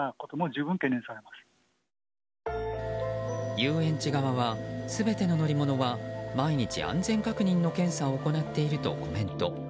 遊園地側は、全ての乗り物は毎日、安全確認の検査を行っているとコメント。